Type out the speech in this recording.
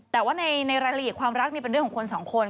แต่ว่าในรายละเอียดความรักนี่เป็นเรื่องของคนสองคน